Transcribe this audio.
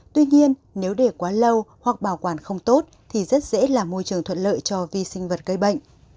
tuy nhiên nếu để quá lâu hoặc bảo quản không tốt thì rất dễ là môi trường thuận lợi cho vi sinh vật gây bệnh